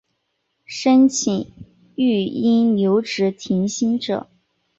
申请育婴留职停薪者